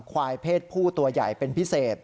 ควายเพศผู้ตัวใหญ่เป็นพิเศษ